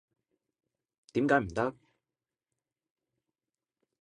點解唔得？